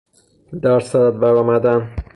در صدد بر آمدن